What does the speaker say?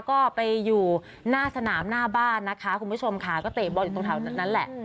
ก็ไปอยู่หน้าสนามหน้าบ้านนะคะคุณผู้ชมค่ะก็เตะบอลอยู่ตรงแถวนั้นแหละ